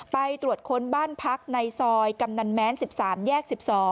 ไปตรวจค้นบ้านพักในซอยกำนันแม้น๑๓แยก๑๒